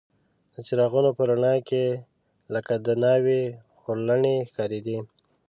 د څراغونو په رڼا کې لکه د ناوې خورلڼې ښکارېدې.